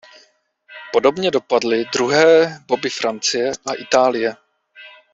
Podobně dopadly druhé boby Francie a Itálie.